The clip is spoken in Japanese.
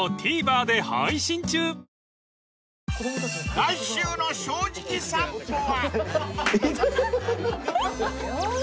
［来週の『正直さんぽ』は］痛っ。